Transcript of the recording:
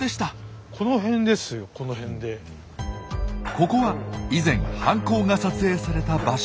ここは以前犯行が撮影された場所。